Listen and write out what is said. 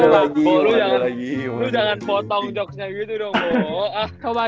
oh lu jangan potong ngejoksnya gitu dong